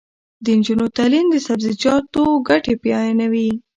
د نجونو تعلیم د سبزیجاتو ګټې بیانوي.